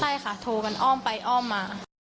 ใช่ค่ะโทรมันอ้อมไปอ้อมมา